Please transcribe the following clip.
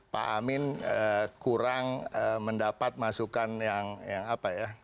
pak amin kurang mendapat masukan yang apa ya